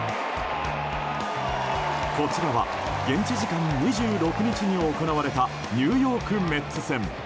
こちらは現地時間２６日に行われたニューヨーク・メッツ戦。